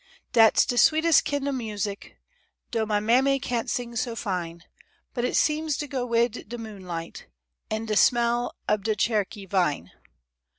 Dat's de sweetes' kin' o' music, Dough mah mammy cain't sing so fine, But it seems t' go wid de moonlight An' de smell ob de che'okee vine.